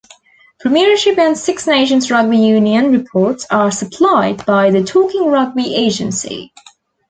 Premiership and Six Nations rugby union reports are supplied by the Talking Rugby agency.